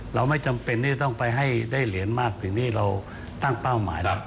เราไม่จำเป็นที่จะต้องไปให้ได้เหรียญมากถึงที่เราตั้งเป้าหมายแล้ว